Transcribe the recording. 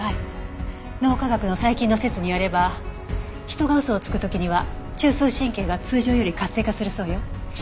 脳科学の最近の説によれば人が嘘をつく時には中枢神経が通常より活性化するそうよ。